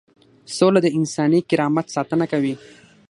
سوله د انساني کرامت ساتنه کوي.